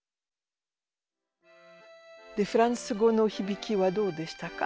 フランス語のひびきはどうでしたか？